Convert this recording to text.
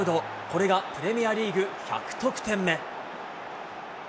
これがプレミアリーグ１００得点目。